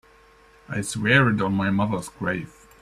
I swear it on my mother's grave.